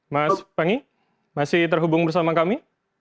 mas pangi masih terhubung bersama kami